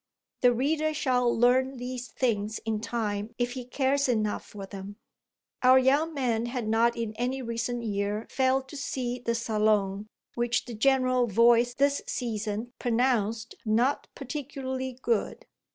The reader shall learn these things in time if he cares enough for them. Our young man had not in any recent year failed to see the Salon, which the general voice this season pronounced not particularly good.